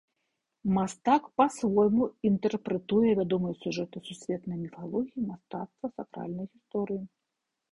Мастак па-свойму інтэрпрэтуе вядомыя сюжэты з сусветнай міфалогіі, мастацтва, сакральнай гісторыі.